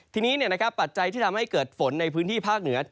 ทีนี้ปัจจัยที่ทำให้เกิดฝนในพื้นที่ภาคเหนือ